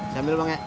sambil bang ya